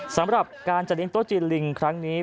สำหรับการจัดเลี้ยโต๊จีนลิงครั้งนี้